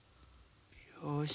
よし。